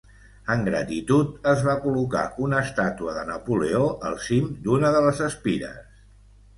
En gratitud, es va col·locar una estàtua de Napoleó al cim d'una de les espires.